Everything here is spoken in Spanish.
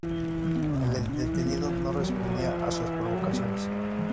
El detenido no respondía a sus provocaciones.